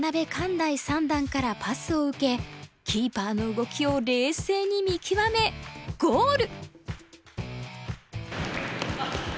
大三段からパスを受けキーパーの動きを冷静に見極めゴール！